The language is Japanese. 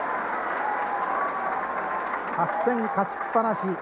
８戦勝ちっぱなし。